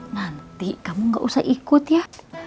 nanti kamu gak usah ikut ya